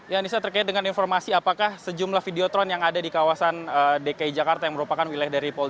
ya anissa terkait dengan informasi apakah sejumlah videotron yang ada di kawasan dki jakarta yang merupakan wilayah dari polda